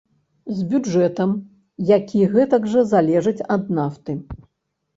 З бюджэтам, які гэтак жа залежыць ад нафты.